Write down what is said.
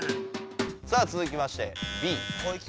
さあつづきましてＢ。